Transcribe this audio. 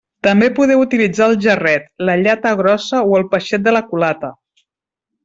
També podeu utilitzar el jarret, la llata grossa o el peixet de la culata.